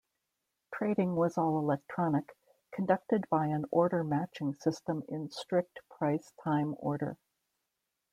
Trading was all-electronic, conducted by an order matching system in strict price time order.